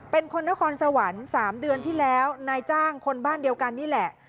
เป็นคนนครสวรรค์๓เดือนที่แล้วนายจ้างคนบ้านเดียวกันนี่แหละ